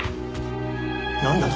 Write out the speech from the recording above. なんだと？